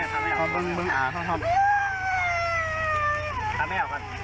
อิ๊ววาอา